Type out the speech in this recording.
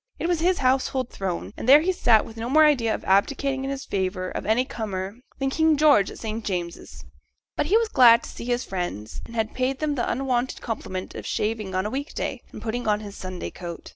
It was his household throne, and there he sat with no more idea of abdicating in favour of any comer than King George at St James's. But he was glad to see his friends; and had paid them the unwonted compliment of shaving on a week day, and putting on his Sunday coat.